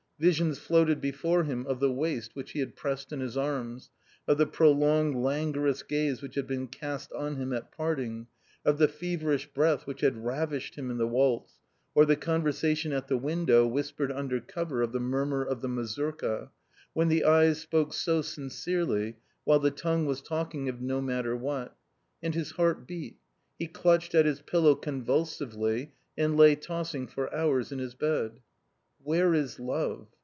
Visions floated before him of the waist which he had pressed in his arms, of the pro longed languorous gaze which had been cast on him at parting, of the feverish breath which had ravished him in the waltz, or the conversation at the window whispered under cover of the murmur of the mazurka, when the eyes spoke so sincerely, while the tongue was talking of no matter what. And his heart beat ; he clutched at his pillow convulsively and lay tossing for hours in his bed. u Where is love?